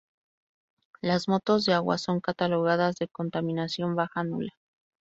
Las motos de agua son catalogadas de contaminación baja-nula.